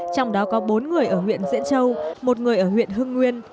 trong đó có bốn người ở huyện diễn châu một người ở huyện hưng nguyên